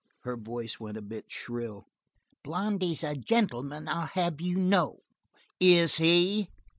Her voice went a bit shrill. "Blondy is a gentleman, I'll have you know." "Is he?"